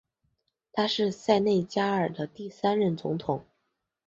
他是塞内加尔的第三任总统。